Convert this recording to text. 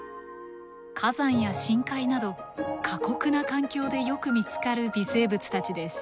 火山や深海など過酷な環境でよく見つかる微生物たちです。